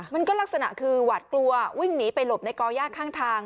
ลักษณะคือหวาดกลัววิ่งหนีไปหลบในก่อย่าข้างทาง